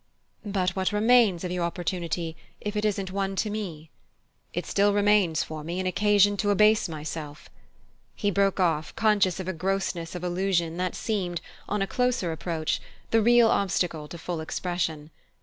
"But what remains of your opportunity, if it isn't one to me?" "It still remains, for me, an occasion to abase myself " He broke off, conscious of a grossness of allusion that seemed, on a closer approach, the real obstacle to full expression.